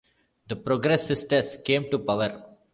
The Progresistas came to power.